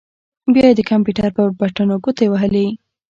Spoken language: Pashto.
بيا يې د کمپيوټر پر بټنو ګوتې ووهلې.